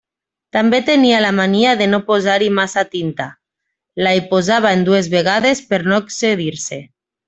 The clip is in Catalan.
També tenia la mania de no posar-hi massa tinta: la hi posava en dues vegades per no excedir-se.